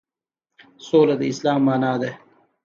سوله د اسلام معنی ده